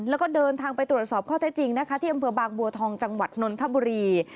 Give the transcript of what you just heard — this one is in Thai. แล้วก็เดินทางไปตรวจสอบข้อเท็จจริงนะคะที่อำเภอบางบัวทองจังหวัดนนทบุรี